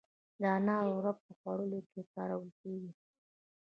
د انارو رب په خوړو کې کارول کیږي.